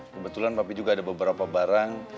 kebetulan bapak juga ada beberapa barang